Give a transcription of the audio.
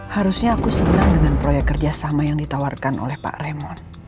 harusnya aku senang dengan proyek kerjasama yang ditawarkan oleh pak remon